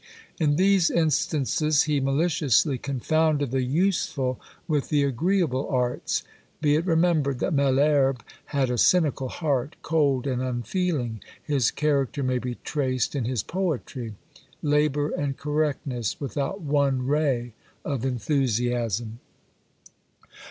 In these instances he maliciously confounded the useful with the agreeable arts. Be it remembered, that Malherbe had a cynical heart, cold and unfeeling; his character may be traced in his poetry; labour and correctness, without one ray of enthusiasm.